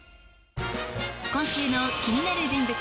今週の気になる人物